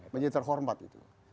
menjadi terhormat gitu